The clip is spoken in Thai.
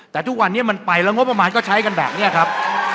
แต่ทุกวันนี้มันไปแล้วงบประมาณก็ใช้กันแบบนี้ครับ